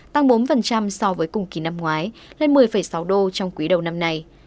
tăng bốn so với cùng kỳ năm ngoái lên một mươi sáu đô trong quý đầu năm nay